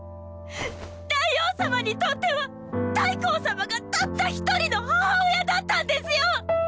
大王様にとっては太后様がたった一人の母親だったんですよ！！